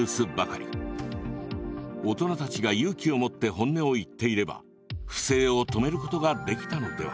大人たちが勇気を持って本音を言っていれば不正を止めることができたのでは。